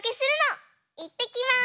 いってきます！